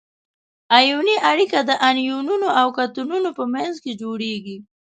ایوني اړیکه د انیونونو او کتیونونو په منځ کې جوړیږي.